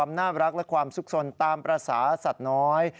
ความน่ารักความสุขสมนตาที่ศัตรณ์น้อย